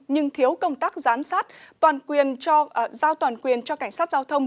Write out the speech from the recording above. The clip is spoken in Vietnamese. nhưng thiếu công tác giám sát giao toàn quyền cho cảnh sát giao thông